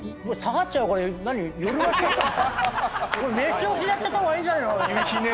飯押しでやっちゃった方がいいんじゃねえの？